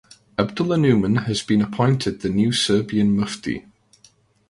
Abdullah Numan has been appointed the new Serbian mufti.